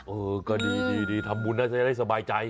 เออก็ดีทำบุญได้สบายใจ